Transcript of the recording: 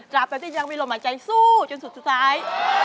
จัดปะทิ่งยังมีลมหาใจสู้จนสุดสุดท้าย